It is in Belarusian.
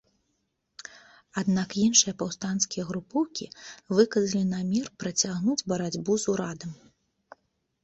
Аднак іншыя паўстанцкія групоўкі выказалі намер працягнуць барацьбу з урадам.